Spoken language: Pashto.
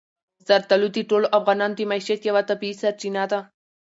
زردالو د ټولو افغانانو د معیشت یوه طبیعي سرچینه ده.